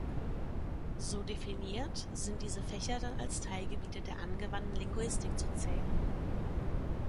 So definiert, sind diese Fächer dann als Teilgebiete der Angewandten Linguistik zu zählen.